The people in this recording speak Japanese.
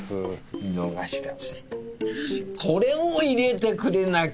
井之頭さんこれを入れてくれなきゃ！